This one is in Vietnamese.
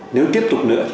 nếu tiếp tục nữa thì